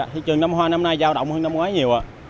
thị trường năm hoa năm nay giao động hơn năm quá nhiều